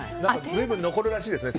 随分残るらしいですね。